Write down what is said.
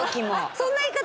そんな言い方